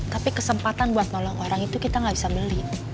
tapi kesempatan buat nolong orang itu kita nggak bisa beli